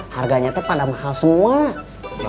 harganya itu pada mahal semua